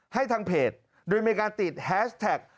ให้ทางเพจโดยมีการติดแฮชแท็ก